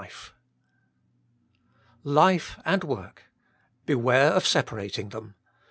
Life and work: beware of separating them.